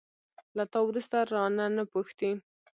له تا وروسته، رانه، نه پوښتي